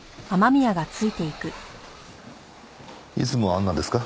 いつもあんなですか？